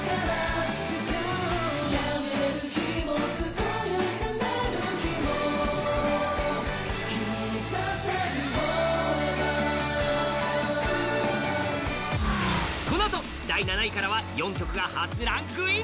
ご自身のこのあと第７位からは４曲が初ランクイン！